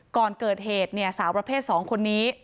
ก่อนเกิดเหตุสาวประเภท๒คนนี้